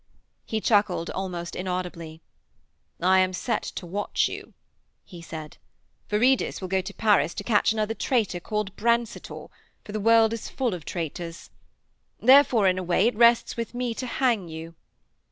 He chuckled almost inaudibly. 'I am set to watch you,' he said. 'Viridus will go to Paris to catch another traitor called Brancetor, for the world is full of traitors. Therefore, in a way, it rests with me to hang you.'